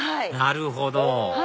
なるほど！